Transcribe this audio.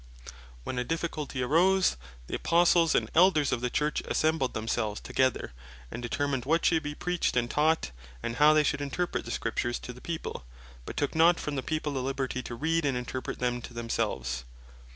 When a difficulty arose, the Apostles and Elders of the Church assembled themselves together, and determined what should bee preached, and taught, and how they should Interpret the Scriptures to the People; but took not from the People the liberty to read, and Interpret them to themselves.